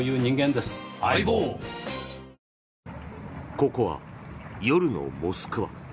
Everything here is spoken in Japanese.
ここは夜のモスクワ。